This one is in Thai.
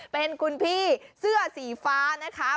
เป็นคุณพี่เสื้อสีฟ้านะคะ